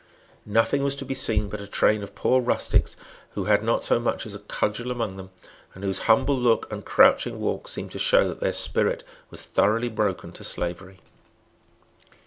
Nothing was to be seen but a train of poor rustics who had not so much as a cudgel among them, and whose humble look and crouching walk seemed to show that their spirit was thoroughly broken to slavery.